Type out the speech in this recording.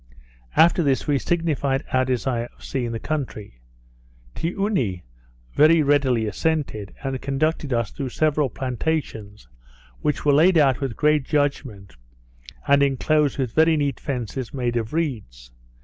After this we signified our desire of seeing the country. Tioony very readily assented, and conducted us through several plantations, which were laid out with great judgment, and inclosed with very neat fences made of reeds.